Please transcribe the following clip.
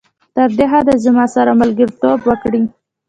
تر دې حده زما سره ملګرتوب وکړي.